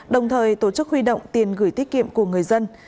đồng thời tổ chức huy động tiền gửi tiết kiệm của người dân